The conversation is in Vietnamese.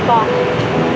mình chia sẻ